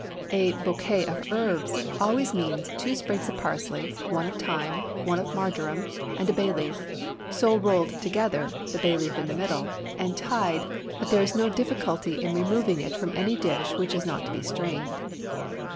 A "bouquet of herbs" always means two sprigs of parsley, one of thyme, one of marjoram, and a bay leaf, so rolled together (the bay leaf in the middle) and tied that there is no difficulty in removing it from any dish which is not to be strained.